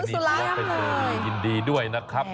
เบอร์นี้พลาดเป็นเบอร์ดีอย่างยินดีด้วยนะครับ